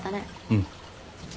うん。